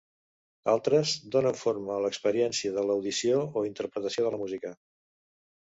Altres, donen forma a l'experiència de l'audició o interpretació de la música.